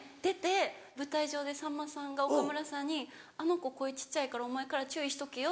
舞台上でさんまさんが岡村さんに「あの子声小っちゃいからお前から注意しとけよ」